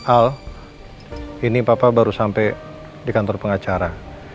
al ini papa baru sampai di kantor pengacara